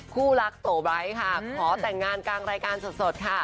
ผู้รักโตไบจ์ขอแต่งงานกลางรายการสด